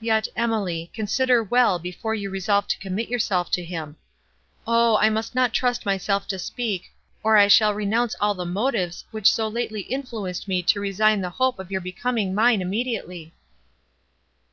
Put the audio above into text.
Yet, Emily, consider well before you resolve to commit yourself to him. O! I must not trust myself to speak—or I shall renounce all the motives, which so lately influenced me to resign the hope of your becoming mine immediately."